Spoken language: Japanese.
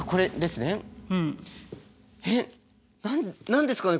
えっ何ですかね